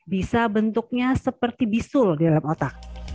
bisa bentuknya seperti bisul di dalam otak